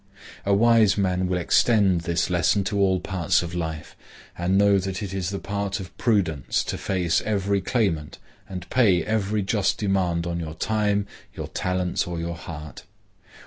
A wise man will extend this lesson to all parts of life, and know that it is the part of prudence to face every claimant and pay every just demand on your time, your talents, or your heart.